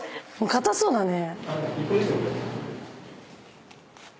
硬そうだね。